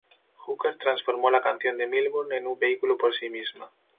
Hooker transformó la canción de Milburn "en un vehículo por sí misma".